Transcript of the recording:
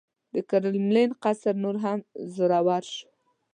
د کرملین قیصر نور هم زړور شو.